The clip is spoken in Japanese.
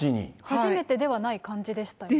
初めてではない感じでしたね。